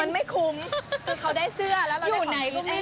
มันไม่คุ้มเพราะเขาได้เสื้อแล้วเราได้ของกิน